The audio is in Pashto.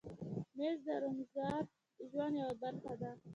مېز د روزمره ژوند یوه برخه ده.